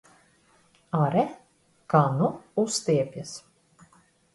Āre, kā nu uztiepjas!